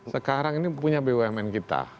sekarang ini punya bumn kita